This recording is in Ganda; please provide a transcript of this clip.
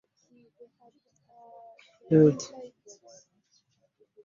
Amangu ago n'agwa wansi, ekiwaawo kye ne kyatikayatika mu bitundu bingi.